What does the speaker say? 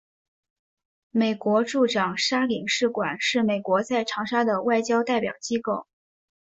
美国驻长沙领事馆是美国在长沙的外交代表机构。